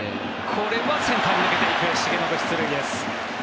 これはセンターへ抜けていく重信、出塁です。